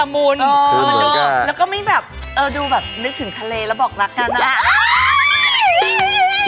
มองไพมองไพ